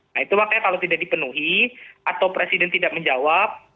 nah itu makanya kalau tidak dipenuhi atau presiden tidak menjawab